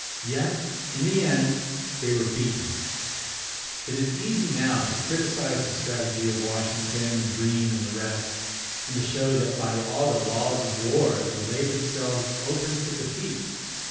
Yet in the end they were beaten. It is easy now to criticize the strategy of Washington and Greene and the rest, and to show that by all the laws of war they laid themselves open to defeat.